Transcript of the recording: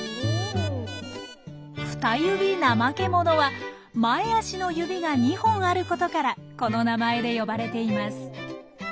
フタユビナマケモノは前足の指が２本あることからこの名前で呼ばれています。